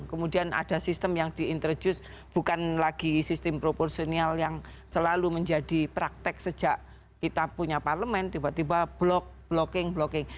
kemudian ada sistem yang diintroduce bukan lagi sistem proporsional yang selalu menjadi praktek sejak kita punya parlemen tiba tiba blocking blocking